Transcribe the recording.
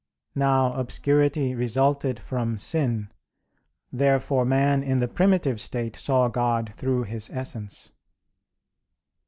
Now, obscurity resulted from sin. Therefore man in the primitive state saw God through His Essence.